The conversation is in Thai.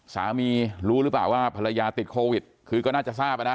รู้หรือเปล่าว่าภรรยาติดโควิดคือก็น่าจะทราบอ่ะนะ